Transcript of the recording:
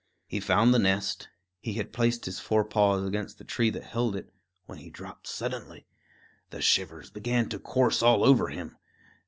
He found the nest; he had placed his fore paws against the tree that held it, when he dropped suddenly; the shivers began to course all over him.